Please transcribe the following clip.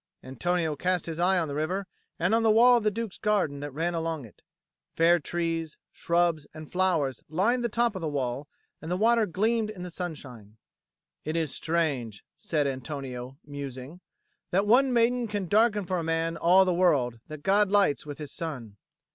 Antonio cast his eye on the river and on the wall of the Duke's garden that ran along it; fair trees, shrubs, and flowers lined the top of the wall, and the water gleamed in the sunshine. "It is strange," said Antonio, musing, "that one maiden can darken for a man all the world that God lights with his sun.